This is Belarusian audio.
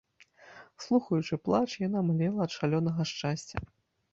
Слухаючы плач, яна млела ад шалёнага шчасця.